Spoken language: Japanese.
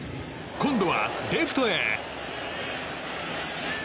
今度はレフトへ。